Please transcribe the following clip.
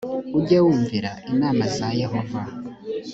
ujye wumvira inama za yehova